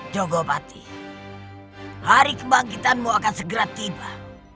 jogobati hari kebangkitanmu akan segera tiba